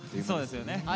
そうですよね。